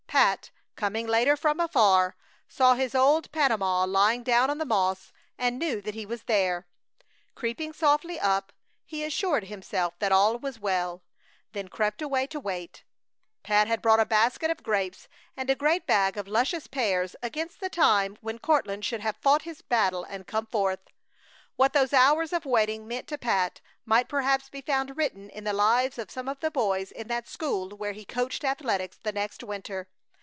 Pat, coming later from afar, saw his old Panama lying down on the moss and knew that he was there. Creeping softly up, he assured himself that all was well, then crept away to wait. Pat had brought a basket of grapes and a great bag of luscious pears against the time when Courtland should have fought his battle and come forth. What those hours of waiting meant to Pat might perhaps be found written in the lives of some of the boys in that school where he coached athletics the next winter.